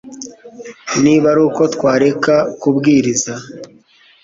niba ari uko twareka kubwiriza